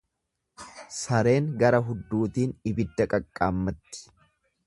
Sareen gara hudduutiin ibidda qaqqaammatti.